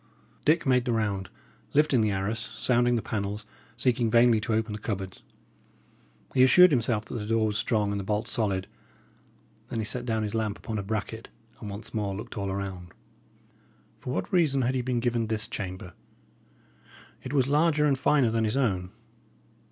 Dick made the round, lifting the arras, sounding the panels, seeking vainly to open the cupboards. He assured himself that the door was strong and the bolt solid; then he set down his lamp upon a bracket, and once more looked all around. For what reason had he been given this chamber? It was larger and finer than his own.